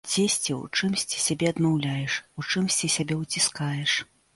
Дзесьці ў чымсьці сабе адмаўляеш, у чымсьці сябе уціскаеш.